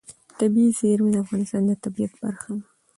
طبیعي زیرمې د افغانستان د طبیعت برخه ده.